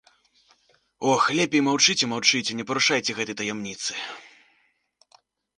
Ох, лепей маўчыце-маўчыце, не парушайце гэтай таямніцы.